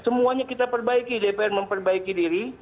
semuanya kita perbaiki dpr memperbaiki diri